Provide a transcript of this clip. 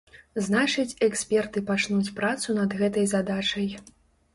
Значыць, эксперты пачнуць працу над гэтай задачай.